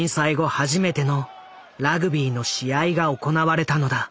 初めてのラグビーの試合が行われたのだ。